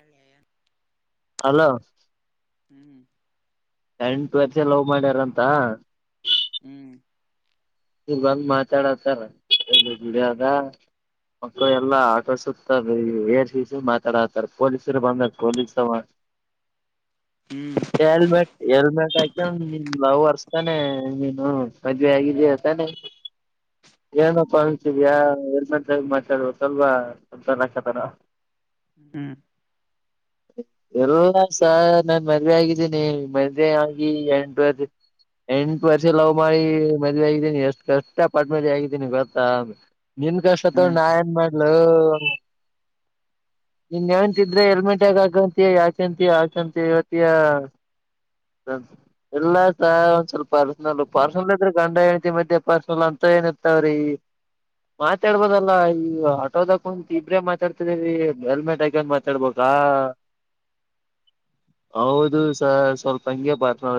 ಯಳ ಯನ್ [inaudible] hello ಹ್ಮ್ ಎಂಡ ಟ್ವಲ್ಸ love ಮಾಡ್ಯಾರ ಅಂತ ಹ್ಮ್ ಇವ ಬಂಗ ಮಾತಾಡತಾರ ಎ ಗಡದ ಮಕ್ಕಳು ಎಲ್ಲಾ ಆಟೋ ಸುತ್ತ ಏರ್ಸಸ ಮಾತಾಡಾತಾರೆ ಪೊಲೀಸರು ಬಂದಾಗ ಪೊಲೀಸ್ವ [unintelligible] ಹ್ಮ್ ಹೆಲ್ಮೆಟ್ ಹೆಲ್ಮೆಟ್ ಆ ಲವ್ ಅರ್ಸ್ತಾನೆ ನೀನು ಮದ್ವೆ ಆಗಿದ್ದ ಅತಾನೆ ಏನಪ್ಪ ಅತಿದ್ಯಾ ಎ ಮಾತಾಡುವ ಸ್ವಲ್ಪ ಹಕತಾರ ಹ್ಮ್ ಎಲ್ಲ ಸ ನಾನ್ ಮದ್ವೆ ಆಗಿದ್ದೀನಿ ಮದುವೆ ಆಗಿ ಎಂಟುವ ಎಂಟ್ ವರ್ಷ ಲವ ಮಾಡಳಿ ಮಜ ಆ ನಿ ಎಷ್ಟ್ ಕಷ್ಟ ಪಟ್ರಿ ಆಗಿದ್ದೀನಿ ಗೊತ್ತಾ ನಿನ್ ಕಷ್ಟತ್ ಹ್ಮ್ ನಾ ಏನ್ ಮಾಡ್ಲು [inaudible] ಇನ್ ಯಾವಂತಿದ್ರೆ ಹೆಲ್ಮೆಟ್ ಯಗ ಹಕಂತ ಯಾಕಂತ ಯ ಚಂತ ಇವತ್ತಿಯ ಹ ಎಲ್ಲ ಸ ಒಂದ್ ಸ್ವಲ್ಪ ಪರ್ಸನ ಪಾರ್ಲ್ಲ ಇದ್ರೆ ಗಂಡ ಮಧ್ಯೆ ಮಧ್ಯೆ ಪರ್ಸನಲ್ ಅಂತ ಏನಿರ್ತಾವ್ರೀ ಮಾತಾಡ್ಬೋದಲ್ಲ ಈಗ ಆಟೋದಕ ಒಂದ ಇಬ್ರೇ ಮಾತಾಡ್ತಿದೀ ಹೆಲ್ಮೆಟ್ ಹಾಕ್ ಮಾತಾಡ್ಬ ಹಾ [inaudible] ಹೌದು ಸ ಸ್ವಲ್ಪ ಹಂಗೆ ಬತ ನಡ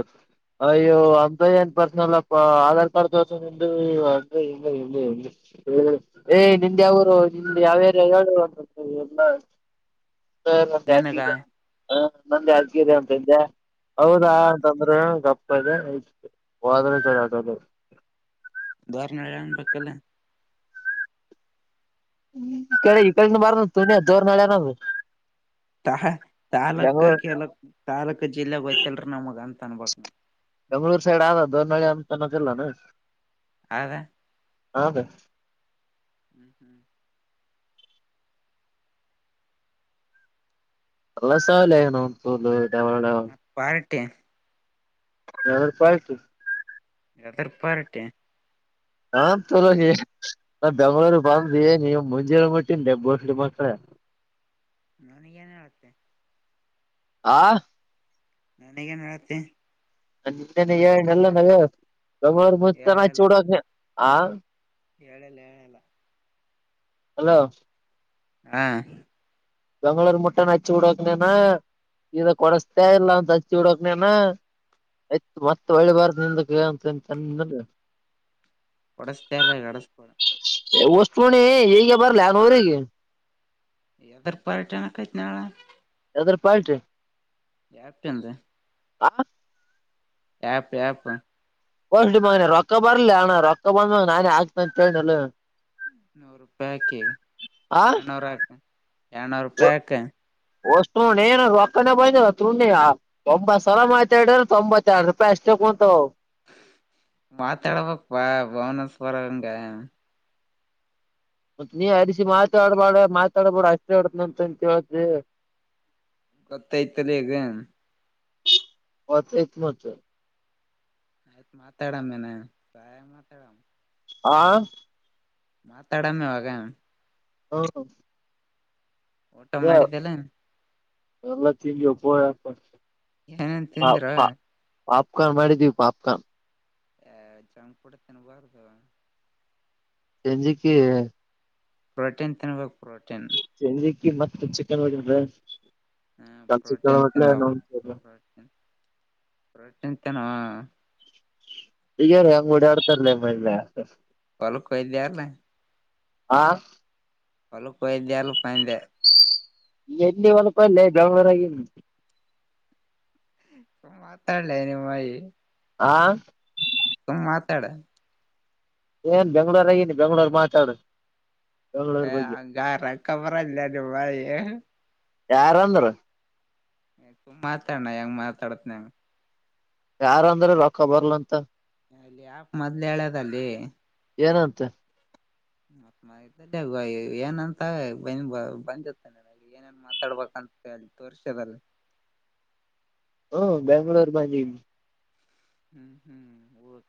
ಅಯ್ಯೋ ಅಂತಏನ್ ಪರ್ಸನಲ್ಲಪ್ಪಾರ್ ಮಾಡ್ತತ ನಿ ಅಇಲ್ಲ ಇಲ್ಲ ಇ ಏ ನಿಂದ ಯಾವರು ನಿ ಯಾವ್ಯಾರ ಡು [inaudible] ಸ ಹ ನನಗ ನಂದ ಅರ್ಕಿದೆ ಅಂತಜೆ ಹೌದಾ ಹ್ಮ್ ಅಂತಂದ್ರೆ ಕಪ್ಪ ವಾದನ ಚರ ಆಟ ಅದು ಧಾರಣ ಎಳನ್ ಪಕ್ಕಲ್ಲ ಕಳ ಇ ಕಳ ನ ಬಾರ ನ ತು ದೋರ ನಳಿಯ ನ ತಾ ತಾಲೂಕ ಕೆಲಕ್ ತಾಲೂಕ್ ಜಿಲ್ಲೆಗ ಹಯ್ತಲ್ರ ನಮಗ ಅಂತ ಅನ್ಬಕ್ನ ಬೆಂಗ್ಳೂರು ಸೈಡ್ ಆದ ದೋನಳಿ ಅಂತನದೆಲ್ಲಾನ ಅದ ಹಾಕ ಹ್ಮ್ ಹ್ಮ್ ಎಲ್ಲಸಾವಲನ ಪೂಲ್ ತ್ತೆ ಯ ಪಾಯತು ಎಾದರ್ಪಾರಟೆ ಹಾ ಚಲೋ ನಾ ಬೆಂಗ್ಳೂರಿಗೆ ಬಂದ ಏನ ಮುಂಜರೆ ಮುಟ್ಟಿಂದೆಬ್ ಬಸ್ ಮ ನನಗೇನ್ ಹೇಳತ್ತೆ ಆ ಹಾ ನನಗೆ ನಡತ್ತೆ ನಿನ್ನೆನೆ ಏಳ್ನೆಲ್ಲ ನವ ಮುತ ಚಡೋಕ ಹ ಹೇಳಳಲ್ಲ ಹೇಳಳಲ್ಲ ಹಲೋ ಹಾ ಬೆಂಗಳೂರು ಮುಟ್ಟೆ ನ ಅಚ್ಚು ಬಿಡಕನನ ಈ ಕೊಡಸ್ತೇ ಇಲ್ಲ ಅಂತ ಹಚ್ಚಿ ಹಡಕ್ನೇನ ಆಯ್ತ್ ಮತ್ತೆ ಹೊಳ್ಳಿಬಾರ್ದ ನಿಂದಂತ ತಂದ ಕೊಡಸ ತರಲ ಕಡಸೋಡ ವಸ್ತಣಿ ಈಗೆ ಬರ್ಲೋಗೆ ಎದುರ್ ಪಾರಟನ ಕತ್ ನಾಳ ಸದ ಪಲ್ಟಿ ಯಾಪ್ಪ ಅಂದ ಹ ಆಪ್ ಆಪ್ ಮ ರೊಕ್ಕ ಬರ್ಲಿ ಅಣ್ಣ ರೊಕ್ಕ ಬಂದಾಗ ನಾನೇ ಆಗ್ತ ಅಂತೇಳ [inaudible] ನೂರು ರೂಪಾಯಿ ಹಾಕಿ ಆ ಎರಡ್ನೂರ ಹಾಕ [inaudible] ಎರನೂರು ರೂಪಾಯಕ [inaudible] ಅಷ್ಟ ನ ಏನ ರಕ್ಕನೇ ಬಂದ ತಣಿ ಒಂಬತ್ ಸಲ ಮಾತಾಡಿದ್ರ ತೊಂಬತ್ತ್ತ ಎರಡು ರೂಪಾಯಿ ಅಷ್ಟೇ [inaudible] ಹವತ ಮಾತಾಡ್ಬೇಕಪ್ಪಾ ಭುವನೇಶ್ವರಂಗ [inaudible] ಮತ್ತತ್ ನೀ ಅರಿಸಿ ಮಾತಾಡ್ಬೇಡ ಮಾತಾಡ್ಬಾರಡ ಅಷ್ಟೇ ಆಡತನಂತಂತ ಹೇಳಿದಿ [inaudible] ಗತ್ತ ಇತಲ್ಲಿಗ [inaudible] ಹತ್ತ ಇತ್ ಮಚ [inaudible] ಆಯ್ತ್ು ಮಾತಾಡಮ್ಮೇನಾಯ ಮಾತಾಡಮ್ಮ [inaudible] ಆಾ [inaudible] ಮಾತಾಡಮ್ಮ ಅವಾಗ [unintelligible] [inaudible] ಹಾ ಹ [inaudible] ಊಟ ಮಾಡಿದ್ದಲ್ಲ [inaudible] ಅಲ್ಲತ್ತಗೋ ಪಪ್ಪ [inaudible] ಏನೇನ್ ತಿಂದ್ರ [inaudible] ಪಾಪ್ಕಾರ್ನ್ ಮಾಡಿದೀವಿ ಪಾಪ್ಕಾರ್ನ್ [inaudible] ಆ ಜಂಕ್ಫುಡ್ತ ವಾರದ [inaudible] ಸಂಜಿಿಕ [inaudible] ಪ್ರೋಟೀನ್ ತಿನ್ಬೇಕ ಪ್ರೋಟೀನ್ [inaudible] ಿ ಮತ್ತೆ ಚಿಕನ್ ಹೋಗ [inaudible] ಹ್ಮ ಪ್ರೋಟೀನ್ ಚ ನ ಪ್ರಟನ್ ಪ್ರ [inaudible] ತನವಾ [inaudible] ಹಗಾರೀ ಹಂಗ್ ಓಡ ಆಡ್ತರ್ಲ ಮಲೆ [inaudible] ಹೊಲಕ್ಕ ಹೋಗಿದ್ಯಲ್ಲ ಆ ಹೊಲಕ್ಕ ಹೋಗಿದ್ದೆ ಅಲ್ಲ ಪಾ ಅಂದೆ ಪ್ಚ್ ಎಲ್ಲಿ ಹೊಲಕ್ಕ ಅಲ್ಲೇ ಬೆಗುರಾಗ ಇದ್ನಿ ಹ್ಹ ಮಾತಾಡ್ಲೆ ನಿಮ್ಮಯಿ ಆ ಕಿಯ್ ಸುಮ್ಮ್ ಮಾತಾಡ ಏನ್ ಬೆಂಗ್ಳೂರ್ಗನಿದ್ದಿ ಬೆಂಗ್ಳೂರಾಗ ಮಾತಾಡು ಬೆಂಗ್ಳೂರ್ ಏ ಬಗ್ಗೆ ಹಂಗಾರಕ್ಕಾಬರೋನ ಲೆ ನಿಮ್ಮ ನಿಂಬಾಯಿ ಯಾರಂದ್ರ ಎ ಸುಮ್ಮ್ ಮಾತಾಡ ನಾ ಹೆಂಗ್ ಮಾತಾಡತೇನಿ ಹಂಗ ಯಾರ ಅಂದ್ರು ರೊಕ್ಕ ಬರ್ಲಂತ ಇ ಯ್ಯಪ್ ಮೊದ್ಲೇ ಹೇಳದಲ್ಲೇ ಲೆ ಏನಂತ ನಾ ಇರ್ತಿದ್ಯಾ ಬೈ ಏನಂತೆಳ ವೈ ಬಂದ್ ಇತ್ತನ ಏನೇನ್ ಮಾತಾಡ್ಬೇಕಂತೆಳ್ ಅಲ್ಲಿ ತೋರ್ಸದಲ್ ಹೋ ಬೆಂಗ್ಳೋರ್ ಬನ್ನಿ ಹು ಹು ಒದ್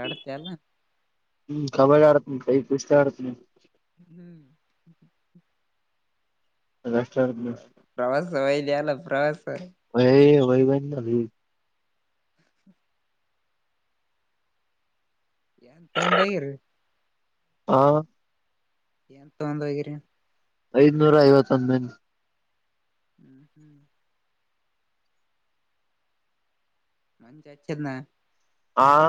ಕಿ ಕಿ ಹು ಕಬಡ್ಡಿ ಆಡಾತೆನಿ ತಡಿ ಕುಸ್ತಿ ಅಡತಿದೇನಿ ಹು ಅದಷ್ಟ ಆಡ್ತನಿ ಟಕ್ ಪ್ರವಾಸ ಹೋಯಿದಿ ಅಲ್ಲ ಪ್ರವಾಸ ಹೊಯ್ ಹೋಗಿಬಂದ ಲಿಗ ಏನ್ ತೊಂದೆ ಎರಡು ಆ ಏನ್ ತೊಂಡ ಹೋಗಿರಿ ಐದನೂರಾ ಐವತ್ತೊಂದೈತಿ. ಹು ಹು ನಂದ ಹೆಚ್ಚಿದ್ನ ಆಅ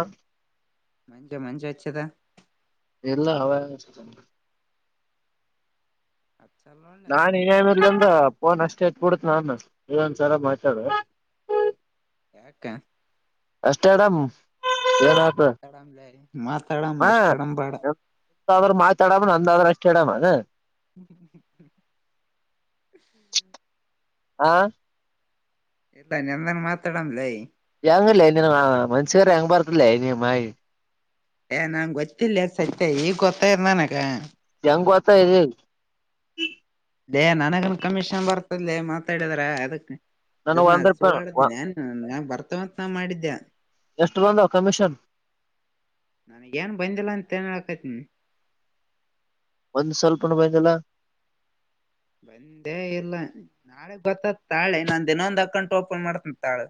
ಮಂಜ ಮಂಜ ಹಚ್ಚಿದ ಇಲ್ಲ ಹವ ಯಾಕ್ ಹಚ್ಚತಾನ ಹಚ್ಚಲ್ಲ ಒಳ್ಳೆ ಅವ್ರಣ ನಾನ್ ಏನು ಇರ್ಲಾಗ ಪೋನ್ ಅಷ್ಟೇ ಬಿುಡತ್ ನಾನು ಇನ್ನೊಂದಸಲಾ ಮಾತಾಡು ಅ ಪೋ ಎದಕ್ಕ ಅಷ್ಟೇ ಡಮ್ ಮಾತಾಡನಲ್ಲೇ ಮಾತಾಡಾಮ ಎಷ್ಟಡಂ ಬೇಡಾ ತಂದ ಆದ್ರ ಮಾತಾಡವಾ ನನ್ನ ಆದ್ರ ಕೇಳವನು ಹ್ಹ್ಹ್ಯೂ ಹ್ಹುಯೂ ಆ ಇಲ್ಲಾ ನಿನ್ನನ್ ಮಾತಾಡಲ್ಲೇ ಹೆಂಗಲೆ ನಿನ್ ಮನುಷಿಕರ ಹೆಂಗ ಬರತಲ್ಲ ನಿಮ್ಮ ಐ ಏ ನಂಗ ಗೊತ್ತಿಲ್ಲ ಸತ್ಯ ಈಗ್ ಗೊತ್ತಾಯಿತ್ ನಂಗ ಹೆಂಗ್ ಗೋತ ಇದೆ ೇ ನನಗನ್ ಕಮಿಷನ್ ಬರ್ತದ ಮಾತಾಡಿದ್ರ ಅದಕ್ಕೆ ನನಗ್ ಇದನ್ನ ಒಂದ್ ರೂಪಾಯಿ ಸುಳ್ಳಾಡತನಾ ನಾನು ಬರ್ತವಂತ ನಾ ಮಾಡಿದ್ದ ಎಷ್ಟು ಬಂದ ಕಮಿಷನ್ ನನಗೇನ್ ಏನ್ ಬಂದಿಲ್ಲ ಅಂತೆನ್ ತೆಕುಂ ಒಂದ್ ಸ್ವಲ್ಪನು ಬಂದಿಲ್ಲ ಬಂದೇ ಇಲ್ಲ ನಾಳೆ ಬರ್ತದ ತಾಳೆ ನಂದ ಇನ್ನೊಂದ ಅಕೌಂಟ್ ಓಪನ್ ಮಾಡ್ತನ ತಾಳು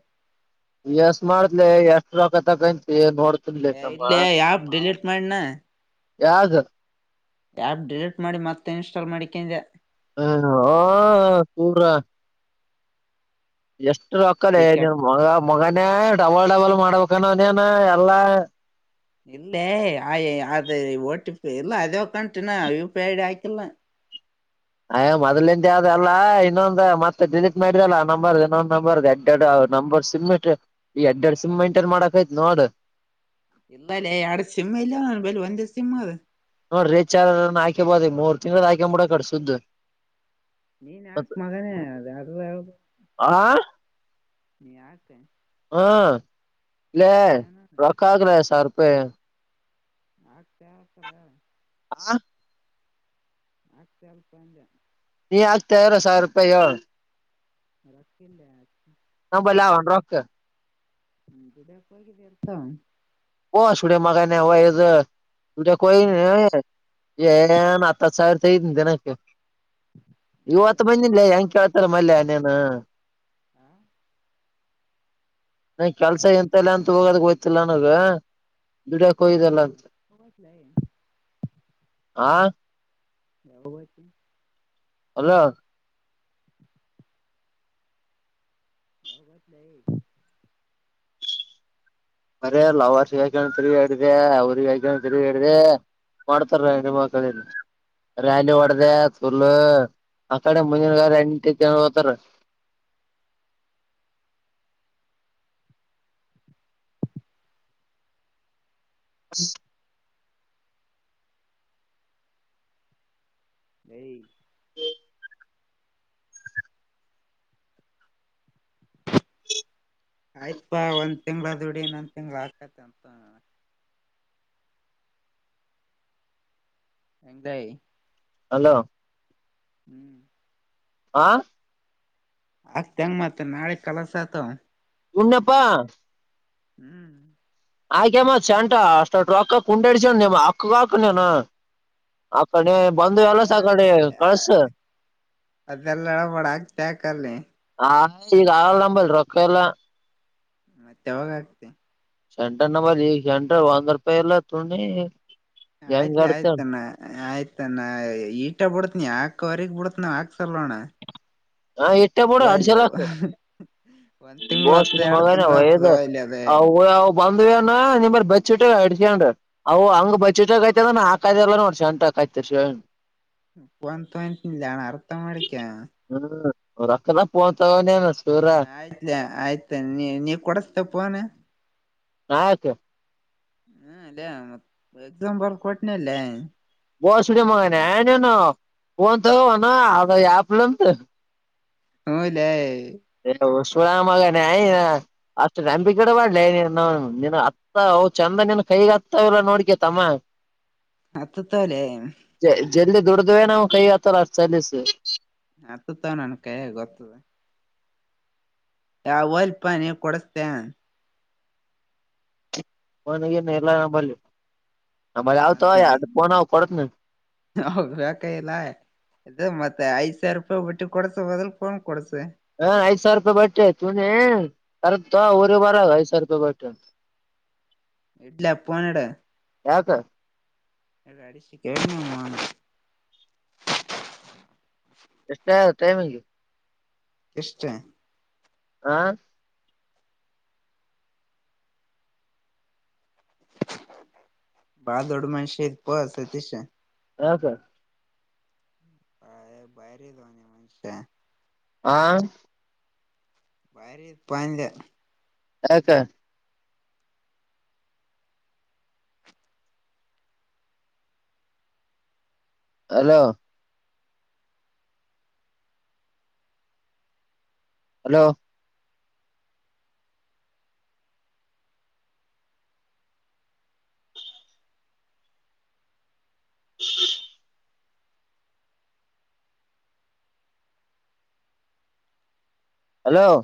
ಎಷ್ಟು ಮಾಡ್ಸಲೆ ಎಷ್ಟು ರೊಕ್ಕಾ ತಕೊಂತೀ ನೋಡ್ ಎ ಇಲ್ಲೇ ಆಪ್ ಡಿಲೀಟ್ ಮಾಡೆನಾ ಯಾದ ಆಪ್ ಡಿಲೀಟ್ ಮಾಡಿ ಮತ್ತೆ ಇನ್ಸ್ಟಾಲ್ ಮಾಡಿಿಕ ಹ ಹ ಸೂರಾ ಎಷ್ಟು ರೊಕ್ಕಲೆ ತಲಿ ನೀ್ ಕೆಟ್ಟ ಮ ಮಗನೇ ಡಬಲ್ ಡಬಲ್ ಮಾಡ್ಬೇಕನನೇನ ಎಲ್ಲಾ ಇಲ್ಲೇ ಆಯ ಅದ ಓಟಿ ಇಲ್ಲ ಅದೇ ಒಕಂಟಿನ ಯೂಪೈಡ್ ಹಾಕಿಲ್ಲ ಅಯ್ ಮೊದ್ಲಿಿಂದಾವ್ದ ಅಲ್ಲ ಇನ್ನೊಂದು್ ಮತ್ತತ್ ಡಿಸಿಟ್ ಮಾಡಿದೆಲ್ಲ ನಂಬರ್ ಇನ್ನೊಂದ ನಂಬರ್ಡ್ ದಡ್ ನಂಬರ್ ಸಿಮ್ ಈ ಎಡ್ ಎರಡ್ ಸಿಮ್ ಮೈಂಟೈನ್ ಮಾಡಕಕ್ ಆಯ್ತ್ ನೋಡ್ ಇಲ್ಲಲ್ಲ ಅಡ ಸಿಮ್ಮ ಇಲ್ಲ ಬ ಒಂದ ಸಿಮಮ್ಮ ಅದ ನೋಡ್ರಿೀ ಚಾರ್ ಹಾಕಬೋದ ಮೂರ್ ತಿಂಗಳ ಹಾಕಂಬ ಬಿಡ ಸುದ ನೀನ್ ಯಾಕ್ ಮಗನೇ ಅ ಯಾರ ಹ್ದ ಆ ನೀ ಯಾಕ ಹಾ ಲೇ ಏನ ರಕ್ಕಾರ ಸಾವಿರ ರೂಪಾಯಿ ಆತ್ಯತರ ಹಾ ಆ ಅಲ್ಪ ಅಜ ನೀ ಆಗ್ತಾಾರ ಸಾವಿರ ರೂಪಾಯಿ ಏಳ್ು ರಕ್ಕಿಂದ ಹಾ ಬಲ ಆವೆನ ರೊಕ್ ಹೀರ್ತ ಸೂಡೆ ಮಗ ಹದು ಸೂಡೆ ಕೊ [unintelligible] ಏನ್ ಹತ್ತ ಹತ್ ಸಾವಿರ ತ ಇದ್ದನಿ ದಿನಕ್ಕೆ ಮತ್ತ ಇವತ್ತು ಯಾಕ ಬಂದಿಲ್ಲ ಹೆಂಗ ಕೇಳ್ತಾರ ಮಲ್ಲಯನೇನ ಹಾ ನ ಕೆಲ್ಸ ಎಂತಲ್ಲ ಅಂತ ಹೋಗೋದ ಗೋಯ್ತಿಲ್ಲ ನನಗ ದುಡ ಮತ್ತಲ [inaudible] ಆ ಯಾವ ಬತಿ [inaudible] ಅಲ್ಲ [inaudible] ಯಾವಗಟ್ಲ ಸರ ಲವರ್ಸ್ ಯಾನ ತಿರುಿಡಿದೆ ಅವ್ರಿಗೆ ಯಕಾನ ತಿರುಗಿದೆ ಮಾಡ್ತಾರ ಎಮ ಕಳಲ್ಲ ರ್ಯಾಲಿ ಒಡದೆ ಸ್ಕೂರ್ಲ್ಲ ಅಕ್ಕಡೆ ಮುಂಜಿನಗಾರ ಎಂಟ ಚನತಾರ [inaudible] [unintelligible] [unintelligible] ಹ [inaudible] [inaudible] ಆಯ್ತ್ಪಾ ಒಂದ್ ತಿಂಗಳದ ಡಿ ಇನ್ೊಂದ್ ತಿಂಗ್ಳ ಆಾಕತಿ ಅಂತ [inaudible] ಹೆಂಗದಾಯ [inaudible] ಅಲೋ [inaudible] ಹ್ಮ್ [inaudible] ಆ [inaudible] ಆಗ್ತ ಹೆಂಗ ಮತ್ ನಾಳೆ ಕಲಸ ಆತ [inaudible] ಉ್ಣಪ್ಪಾ [inaudible] ಹ್ಮ್ [inaudible] ಆಯ್ಕಮ್ಮ ಚಂಟ ಅಷ್ಟ ಅಕ್ಕ ಕುಂಡ ಇಡಚ ನಿಮ್ಮ ಅಕ್ಕಗ ಹಾಕ ನೀನು [inaudible] ಕಡೆ ಬಂದು ಎಲ್ಲಸ ಆ ಕಡೆ ಕಳ್ಸ [inaudible] ಅದೆಲ್ಲಬಡ ಆಗ್ತೆ ಆಕಲ್ಲಿ [inaudible] ಆ ಈಗ ಆಲಂಬಲ್ ರೊಕ್ಕ ಎಲ್ಲ [inaudible] ಮತ್ತೆಾವಾಗ ಆಗ್ತಿ [inaudible] ಸೆಂಟರ್ ನಂಬರ್ ಈ ಸೆಂಟರ್ ಒಂದ ರೂಪಾಯಿ ಎಲ್ಲ ತುಿ [inaudible] ಆಯ್ತ್ಲಿ ಆಯ್ತಣ ಆಯ್ತ್ಣ ಈಟ ಬಿಡತ್ನಿ ಯಾಕವರೆಗ ಬಿಡ [inaudible] ವಕ್ ಸರ್ಣ [inaudible] ಹಾ ಎಾ ಬಡ ಅಡಿಸಲಕ ಒಂದ್ [inaudible] ತಿಂಗ್ಳ ಬಸ್ ಹೊತ್ತ ಎರಡ್ ಮಗಾಯನೆ ತಿಂಗ್ಳ ಹತ ಹೊತ್ತದ ಒಯ್ಲಿ ಅದೇ ಅವ [inaudible] ಬಂದ್ ನಿ ಬ ಇಟ ಅಡಸೊಂಡ್ ಅವು ಹಂಗ ಬಚ್ಟಕ್ ಐತೆದ ಹಾಕದಲ್ಲ ನೋಡ್ಸಂಟ [inaudible] ಆಯ್ತ ಶ [inaudible] ಪಂತಿಲ್ಲಾನ ಅರ್ಥ ಮಾಡಡಿಕ [inaudible] ಹ್ಮ ರಕದ ಪೊಹಚಾಗನ [inaudible] ಹ ಆಯ್ತ್ ಆಯ್ತ ನೀ ನೀವ ಕೊಡಸ್ತ ಪೋನ [inaudible] ಹಕೆ [unintelligible] ಹ್ಮ ಅಲ್ಲೇ ಮ ಎಕ್ಸಾ ಬರ್ ಕೊಟ್ಟನ ಅಲ್ಲೇ [inaudible] ಬೋಸ್ಡ ಮಗನೆ ಏನನು ನ್ ತಗಣ ಅ ಆಪ್ಲಂತ [inaudible] ಹ್ಮ ಇಲ್ಲೇ [inaudible] ಹ [inaudible] ಶುರಾಮಗ ಅಷ್ಟು ನಂಬಿ ಗಿಡ ಮಾಡ್ಲ ಅತ್ತ ಚಂದ ಕೈ [inaudible] ಈಗ ಹತ್ತವ್ರ ನೋಡ್ಕೇತಮ್ಮ [inaudible] ಹತ್ತತಲೇ [inaudible] ಜಲ್ಲ್ ದುಡದ್ವೇ ನಾ್ ಕೈ ಆತ್ತಲ್ಲ ಅಷ್ಟ ಸಲೀಸ [inaudible] ಹತ್ತತಾವ ನನ್ ಕೈಯ ಗೊತ್ತದ [inaudible] ಯಾವ ಅಲ್ಪ ನೀ ಕೊಡಸ್ತೇ [inaudible] ನ್ ಇ ಎಲ್ಲ ನಂಬ ನಂಬ ಅವತ ಆಯಫೋನ್ ಅವ ಕೊಡತ್ [inaudible] ಹೌ ಹ ಕ ಎಲ್ಲಾಯ [inaudible] ಇ ಮತ್ತತ್ ಐಸಾವಿರ ರೂಪಾಯಿ ಬಿಟ್ಟಿ ಕೊಡ್ಸ ಬದಲ್ಕಕೋ ಡ್ ಕೊಡ್ಸ [inaudible] ಹ ಐದ ಸಾವಿರ ರೂಪಾಯಿ ಬಟ್ಟೆ ತುನನೆ ಕರಂತರ ಬಾರ ಐ್ಾವರ ರೂಪಾಯಿ ಬಟ್ಟೆ [inaudible] ಹ [inaudible] ಇಡ್ಲ್ಲಪ್ಪನ ಎಡ ಯಾಕ ಅಸಿ ಕ [inaudible] ಎಷ್ಟ ಟೈಮಿಂಗ್ [inaudible] ಇಷ್ಟೇ [inaudible] ಆಾ [inaudible] ಭಾದಡ ಮ ಶೇಜ ಪಸತಿಸ [inaudible] ಹ ಸ [inaudible] ಹಾ ಬೈರೆದು ನೀ ಮನಷ [inaudible] ಹಾ [inaudible] ಬಾರಿ ಪಾಯಂದ [inaudible] ಹಕ [inaudible] ಅಲೋ [inaudible] ಹಲೋ [unintelligible] ಹಲೋ [inaudible]